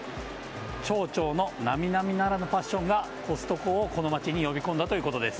町長の並々ならぬパッションがコストコをこの町に呼び込んだということです。